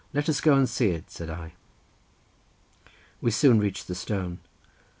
"Let us go and see it," said I. We soon reached the stone.